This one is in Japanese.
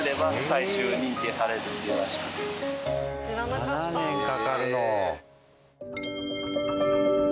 ７年かかるの。